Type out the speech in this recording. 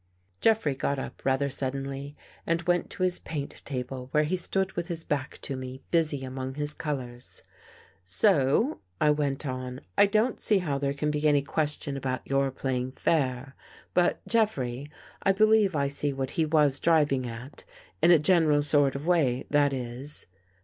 Jeffrey got up rather suddenly and went to his paint table where he stood with his back to me, busy among his colors. " So," I went on, " I don't see how there can be any question about your playing fair. But, Jeffrey, I believe I see what he was driving at — in a gen eral sort of way — that is."